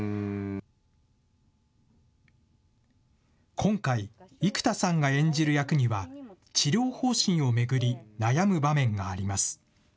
今回、生田さんが演じる役には、治療方針を巡り、悩む場面があります。